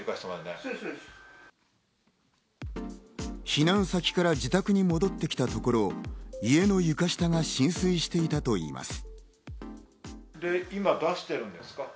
避難先から自宅に戻ってきたところ、家の床下が浸水していたといいます。